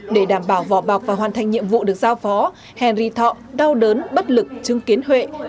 để đảm bảo vỏ bọc và hoàn thành nhiệm vụ được giao phó henry thọ đau đớn bất lực chứng kiến huệ